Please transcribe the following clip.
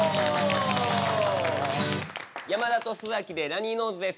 山田と洲崎でラニーノーズです。